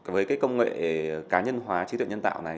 với cái công nghệ cá nhân hóa trí tuệ nhân tạo này